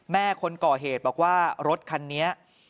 แม่คนก่อเหตุบอกว่ารถคันนี้